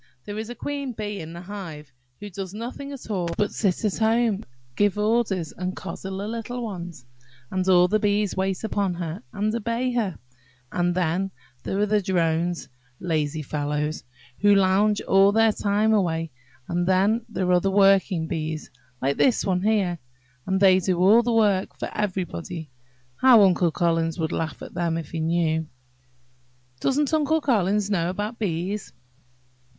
There is the queen bee in the hive, who does nothing at all but sit at home, give orders, and coddle the little ones; and all the bees wait upon her, and obey her. Then there are the drones–lazy fellows, who lounge all their time away. And then there are the working bees, like this one here, and they do all the work for everybody. How Uncle Collins would laugh at them, if he knew!" "Doesn't Uncle Collins know about bees?"